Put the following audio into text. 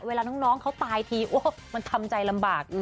เวลาน้องเขาตายทีมันทำใจลำบาก